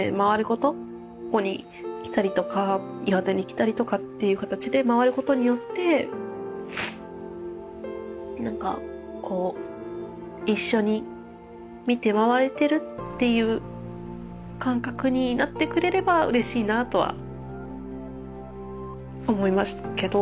ここに来たりとか岩手に来たりとかっていう形で回ることによってなんかこう一緒に見て回れてるっていう感覚になってくれればうれしいなとは思いますけど。